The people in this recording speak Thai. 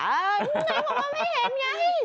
พอว่าไม่เห็นไง